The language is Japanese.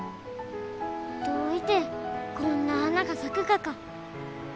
どういてこんな花が咲くがか。